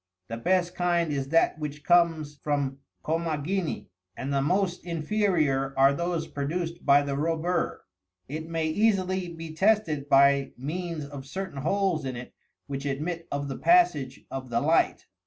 The best kind is that which comes from Commagene,66 and the most inferior are those produced by the robur : it may easily be tested by means of certain holes in it which admit of the passage of the light.